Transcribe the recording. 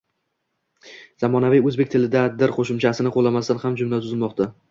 Zamonaviy o‘zbek tilida “-dir” qo‘shimchasini qo‘llamasdan ham jumla tuzilmoqda.